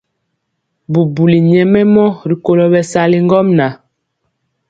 Bubuli nyɛmemɔ rikolo bɛsali ŋgomnaŋ.